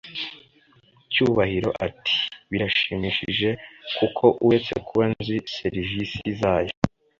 Cyubahiro ati “Birashimishije kuko uretse kuba nzi serivisi zayo